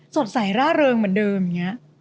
สดใสร่าเริงเหมือนเดิมอย่างนี้